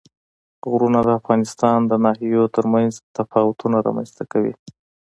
غرونه د افغانستان د ناحیو ترمنځ تفاوتونه رامنځ ته کوي.